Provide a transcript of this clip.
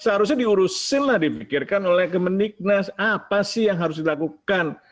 seharusnya diurusin lah dipikirkan oleh kemendiknas apa sih yang harus dilakukan